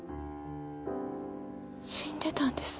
死んでたんです。